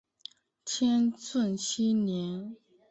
天顺七年。